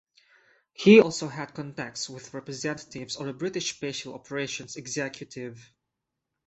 He also had contacts with representatives of the British Special Operations Executive.